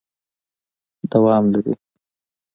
دوام لري ...